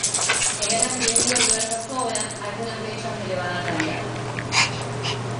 Se le han atribuido diversas obra, algunas de ellas de elevada calidad.